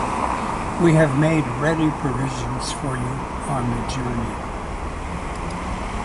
We have made ready provisions for you on the journey.